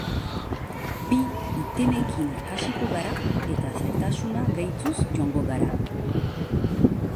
Bi itemekin hasiko gara eta zailtasuna gehituz joango gara.